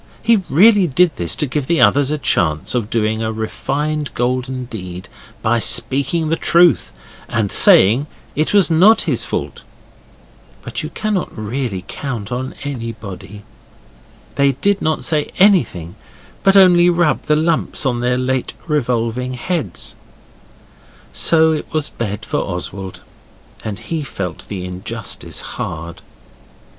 He really did this to give the others a chance of doing a refined golden deed by speaking the truth and saying it was not his fault. But you cannot really count on anyone. They did not say anything, but only rubbed the lumps on their late revolving heads. So it was bed for Oswald, and he felt the injustice hard.